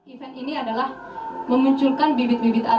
event ini adalah memunculkan bibit bibit